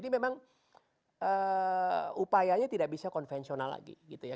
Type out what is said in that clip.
tapi upayanya tidak bisa konvensional lagi gitu ya